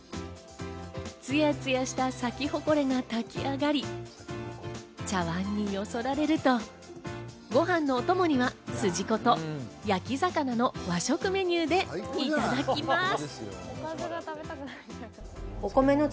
ツヤツヤしたサキホコレが炊き上がり、茶碗によそわれると、ご飯のおともには、すじこと焼き魚の和食メニューでいただきます。